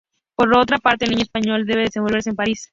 Por otra parte el niño español debe desenvolverse en París.